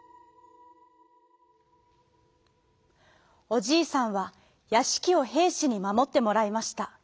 おじいさんはやしきをへいしにまもってもらいました。